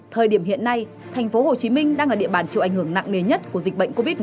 thời điểm hiện nay thành phố hồ chí minh đang là địa bàn chịu ảnh hưởng nặng nề nhất của dịch bệnh covid một mươi chín